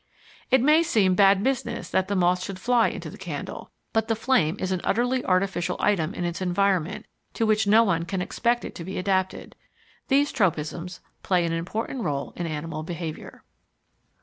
It may seem bad business that the moth should fly into the candle, but the flame is an utterly artificial item in its environment to which no one can expect it to be adapted. These tropisms play an important rôle in animal behaviour.